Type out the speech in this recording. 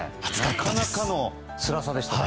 なかなかのつらさでしたね。